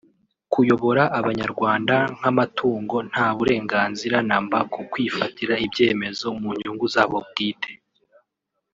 kuyobora abanyarwanda nk’amatungo nta burenganzira na mba ku kwifatira ibyemezo munyungu zabo bwite